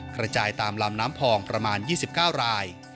กระจายตามลำน้ำพองประมาณ๒๙ราย